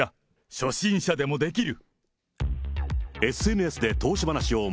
初心者でもできる。